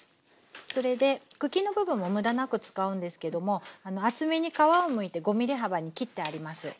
それで茎の部分も無駄なく使うんですけども厚めに皮をむいて５ｍｍ幅に切ってあります。